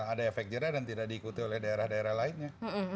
ada efek jerah dan tidak diikuti oleh daerah daerah lainnya